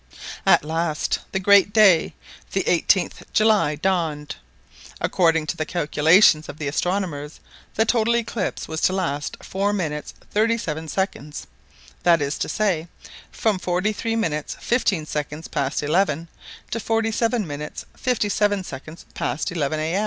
At last the great day the 18th July dawned. According to the calculations of astronomers, the total eclipse was to last four minutes thirty seven seconds that is to say, from forty three minutes fifteen seconds past eleven to forty seven minutes fifty seven seconds past eleven A.